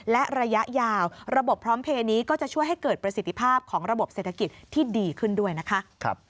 และระยะยาวระบบพร้อมเพลย์นี้ก็จะช่วยให้เกิดประสิทธิภาพของระบบเศรษฐกิจที่ดีขึ้นด้วยนะคะ